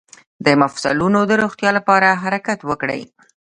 د مفصلونو د روغتیا لپاره حرکت وکړئ